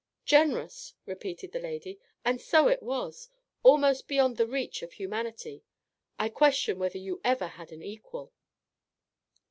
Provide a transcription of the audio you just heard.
"Generous!" repeated the lady, "and so it was, almost beyond the reach of humanity. I question whether you ever had an equal."